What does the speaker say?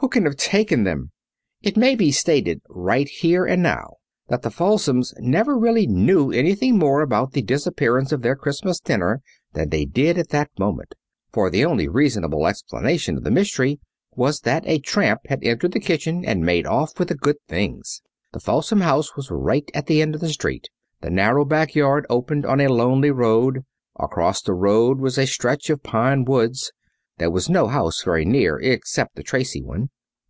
Who can have taken them?" It may be stated right here and now that the Falsoms never really knew anything more about the disappearance of their Christmas dinner than they did at that moment. But the only reasonable explanation of the mystery was that a tramp had entered the kitchen and made off with the good things. The Falsom house was right at the end of the street. The narrow backyard opened on a lonely road. Across the road was a stretch of pine woods. There was no house very near except the Tracy one.